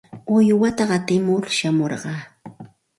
Uywata qatimur shamurqaa.